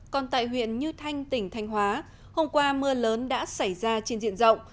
còn tại huyện như thanh tỉnh thanh hóa hôm qua mưa lớn đã xảy ra trên diện rộng